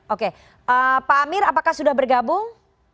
oke pak amir apakah sudah bergabung